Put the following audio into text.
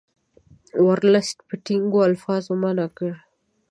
ورلسټ په ټینګو الفاظو منع کړ.